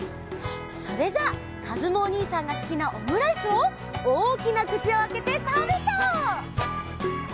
それじゃあかずむおにいさんがすきなオムライスをおおきなくちをあけてたべちゃおう！